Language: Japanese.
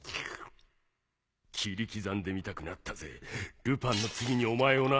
切り刻んでみたくなったぜルパンの次にお前をな！